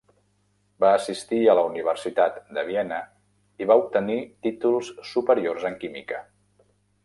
Va assistir a la Universitat de Viena i va obtenir títols superiors en química.